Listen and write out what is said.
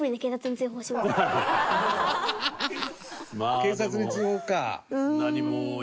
警察に通報か。